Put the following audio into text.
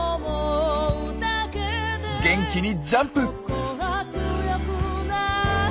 元気にジャンプ！